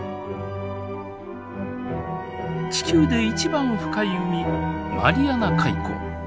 地球で一番深い海マリアナ海溝。